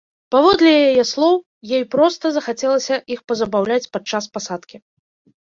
Паводле яе слоў, ёй проста захацелася іх пазабаўляць падчас пасадкі.